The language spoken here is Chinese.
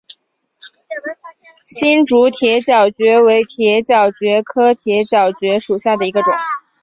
新竹铁角蕨为铁角蕨科铁角蕨属下的一个种。